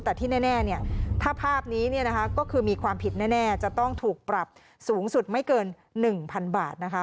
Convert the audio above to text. แต่ที่แน่ถ้าภาพนี้ก็คือมีความผิดแน่จะต้องถูกปรับสูงสุดไม่เกิน๑๐๐๐บาทนะคะ